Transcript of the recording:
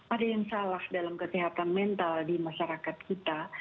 ada yang salah dalam kesehatan mental di masyarakat kita